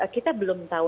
kita belum tahu